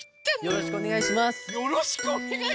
よろしくおねがいしますじゃない！